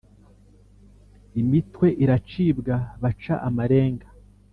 imitwe iracibwa baca amarenga